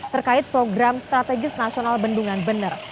terkait program strategis nasional bendungan bener